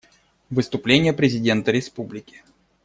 Выступление президента Республики.